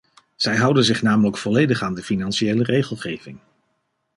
Zij houden zich namelijk volledig aan de financiële regelgeving.